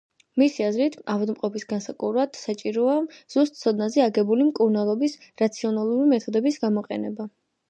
მისი აზრით, ავადმყოფის განსაკურნავად საჭიროა, ზუსტ ცოდნაზე აგებული მკურნალობის რაციონალური მეთოდების გამოყენება.